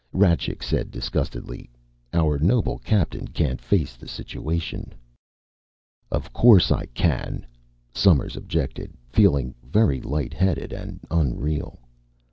Rajcik said disgustedly, "Our noble captain can't face the situation." "Of course I can," Somers objected, feeling very light headed and unreal.